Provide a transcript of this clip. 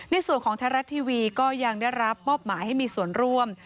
ในส่วนของไทยรัฐทีวีก็ยังได้รับมอบหมายให้มีส่วนร่วม